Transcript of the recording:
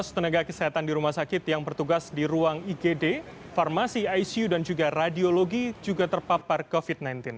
tiga ratus tenaga kesehatan di rumah sakit yang bertugas di ruang igd farmasi icu dan juga radiologi juga terpapar covid sembilan belas